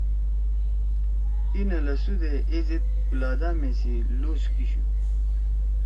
ای نہ لھسُو دے ایزید گلادامے سی لوس کی شُو۔